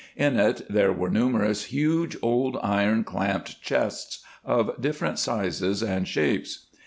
In it there were numerous huge old iron clamped chests of different sizes and shapes.